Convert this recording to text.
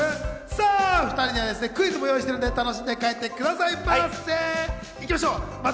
２人にはクイズも用意していますから、楽しんで帰ってくださいませ。